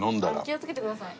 気をつけてください。